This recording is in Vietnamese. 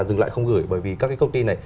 dừng lại không gửi bởi vì các cái công ty này